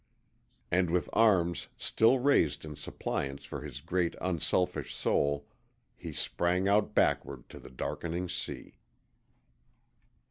And with arms still raised in suppliance for his great unselfish soul, he sprang out backward to the darkening sea.